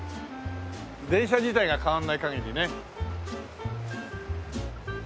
電車自体が変わらない限りね。